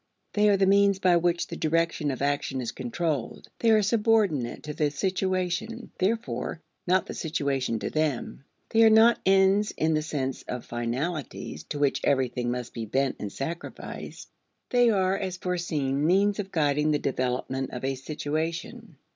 They are the means by which the direction of action is controlled. They are subordinate to the situation, therefore, not the situation to them. They are not ends in the sense of finalities to which everything must be bent and sacrificed. They are, as foreseen, means of guiding the development of a situation.